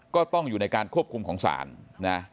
ก็ต้องอยู่ในการควบคุมของศาลนะ